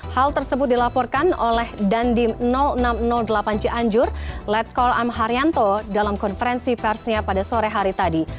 hal tersebut dilaporkan oleh dandim enam ratus delapan cianjur letkol amharyanto dalam konferensi persnya pada sore hari tadi